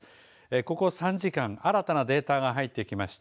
ここ３時間新たなデータが入ってきました。